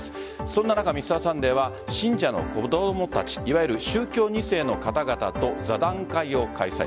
そんな中「Ｍｒ．サンデー」は信者の子供たちいわゆる宗教２世の方々と座談会を開催。